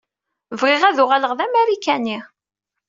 Bɣiɣ ad uɣaleɣ d Amarikani.